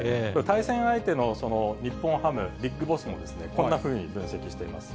対戦相手の日本ハム、ＢＩＧＢＯＳＳも、こんなふうに分析しています。